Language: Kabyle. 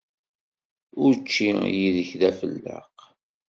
Učči yid-k d afelleq.